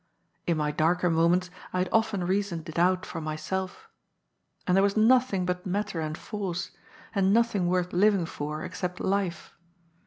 In my darker moments I had often reasoned it out for myself. And there was nothing but matter and force, and nothing worth living for, except life.